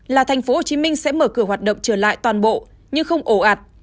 là tp hcm sẽ mở cửa hoạt động trở lại toàn bộ nhưng không ổ ạt